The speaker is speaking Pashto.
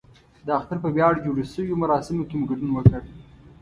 د اختر په ویاړ جوړو شویو مراسمو کې مو ګډون وکړ.